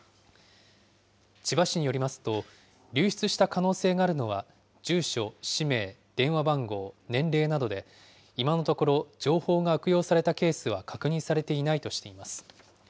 千葉市によりますと、流出した可能性があるのは、住所、氏名、電話番号、年齢などで、今のところ、情報が悪用されたケースは確認されていないとしています。